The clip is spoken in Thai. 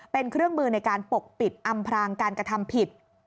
เป็นเครื่องมือในการปกปิดอำพรางการกระทำผิด